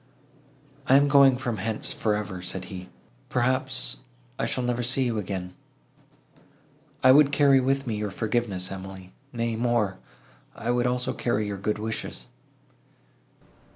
"I am going from hence for ever," said he: "perhaps, I shall never see you again. I would carry with me your forgiveness, Emily; nay more—I would also carry your good wishes."